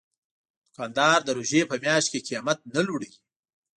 دوکاندار د روژې په میاشت کې قیمت نه لوړوي.